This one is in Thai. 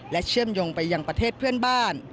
เชื่อมโยงไปยังประเทศเพื่อนบ้าน